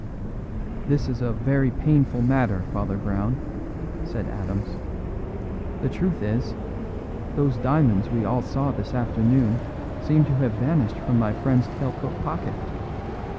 "This is a very painful matter, Father Brown," said Adams. "The truth is, those diamonds we all saw this afternoon seem to have vanished from my friend's tail coat pocket.